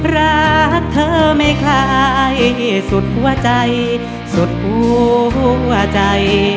รักเธอไม่คล้ายสุดหัวใจสุดหัวใจ